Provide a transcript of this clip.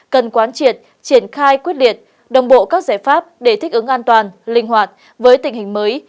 cần quán triệt triển khai quyết liệt đồng bộ các giải pháp để thích ứng an toàn linh hoạt với tình hình mới